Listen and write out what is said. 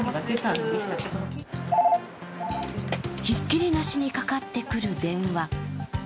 ひっきりなしにかかってくる電話。